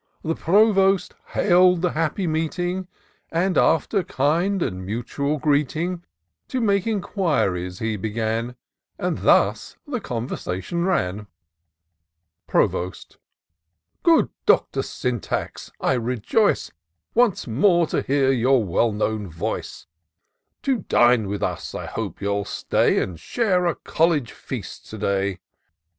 The Provost hail*d the happy meeting, And after kind and mutual greeting, To make inquiries he began ; And thus the conversation ran :— Provost. " Good Doctor Syntax, I rejoice Once more to hear your well known voice ; To dine with us I hope you'll stay. And share a college feast to day.